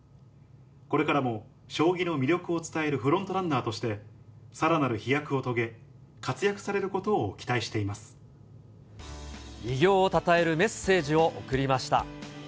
これからも将棋の魅力を伝えるフロントランナーとして、さらなる飛躍を遂げ、偉業をたたえるメッセージを送りました。